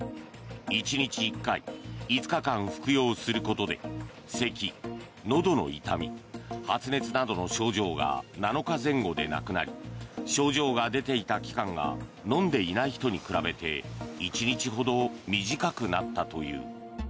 １日１回、５日間服用することでせき、のどの痛み発熱などの症状が７日前後でなくなり症状が出ていた期間が飲んでいない人に比べて１日ほど短くなったという。